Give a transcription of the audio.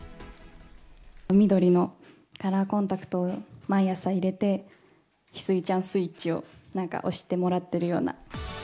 緑のカラーコンタクトを毎朝入れて、翡翠ちゃんスイッチをなんか押してもらってるような。